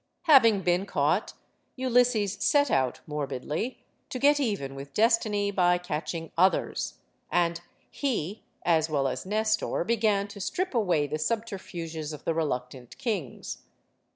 Having been caught, Ulysses set out, morbidly, to get even with Destiny by catching others. And he, as well as Nestor, began to strip away the subterfuges of the reluctant kings.